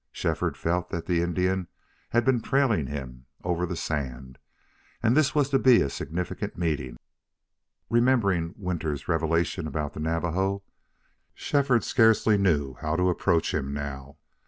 Shefford felt that the Indian had been trailing him over the sand, and that this was to be a significant meeting. Remembering Withers's revelation about the Navajo, Shefford scarcely knew how to approach him now.